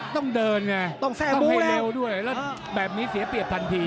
ต้องเดินไงต้องให้เร็วด้วยแล้วแบบนี้เสียเปรียบทันที